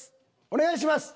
お願いします！